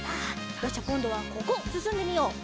よしじゃあこんどはここすすんでみよう。